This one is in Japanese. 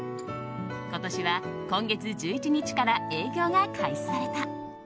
今年は今月１１日から営業が開始された。